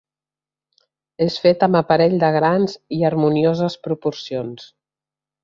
És fet amb aparell de grans i harmonioses proporcions.